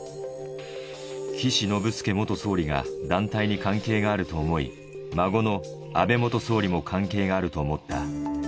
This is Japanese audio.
岸信介元総理が団体に関係があると思い、孫の安倍元総理も関係があると思った。